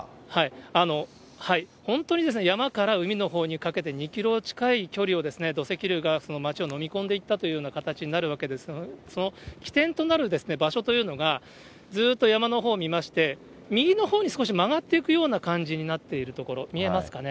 本当に山から海のほうにかけて、２キロ近い距離を、土石流が町を飲み込んでいったというような形になるわけですけれども、その起点となる場所というのが、ずっと山のほう見まして、右のほうに少し曲がっていくような感じになっている所、見えますかね。